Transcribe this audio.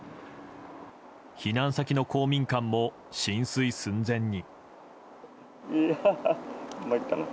避難先の公民館も浸水寸前に。